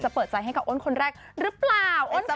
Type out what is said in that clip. อ๋อจะเปิดใจให้กับอ้นคนแรกหรือเปล่าอ้นค่ะ